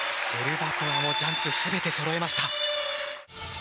シェルバコワもジャンプ全てそろえました。